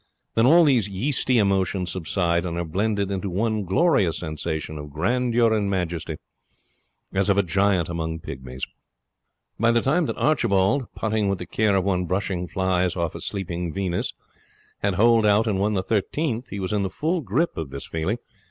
Then all these yeasty emotions subside and are blended into one glorious sensation of grandeur and majesty, as of a giant among pygmies. By the time that Archibald, putting with the care of one brushing flies off a sleeping Venus, had holed out and won the thirteenth, he was in the full grip of this feeling.